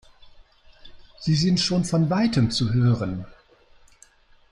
Sie sind schon von weitem zu hören.